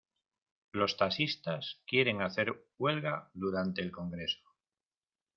Los taxistas quieren hacer huelga durante el congreso.